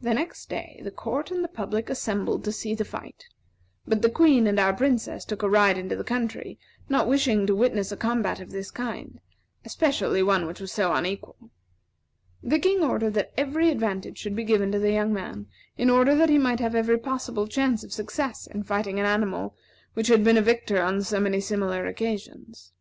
The next day, the court and the public assembled to see the fight; but the Queen and our Princess took a ride into the country, not wishing to witness a combat of this kind, especially one which was so unequal. The King ordered that every advantage should be given to the young man, in order that he might have every possible chance of success in fighting an animal which had been a victor on so many similar occasions.